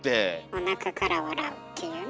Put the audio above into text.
おなかから笑うっていうね。